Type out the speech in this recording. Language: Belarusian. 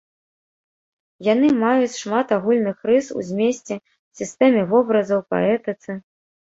Яны маюць шмат агульных рыс у змесце, сістэме вобразаў, паэтыцы.